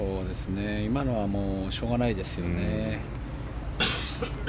今のはしょうがないですよね。